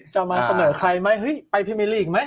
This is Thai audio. จะมาเสนอใครไหมเฮ้ยไปพี่เมลี่อีกไหม